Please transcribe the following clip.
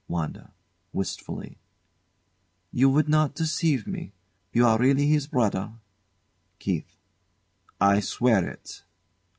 WANDA, [Wistfully] You would not deceive me. You are really his brother? KEITH. I swear it.